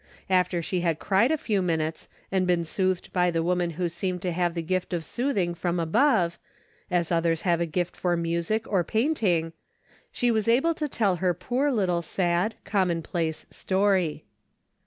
After she had cried a few minutes and been soothed by the woman Avho seemed to have the gift of soothing from above, as others have a gift for music or paint ing, she was able to tell her poor little sad, commonplace story.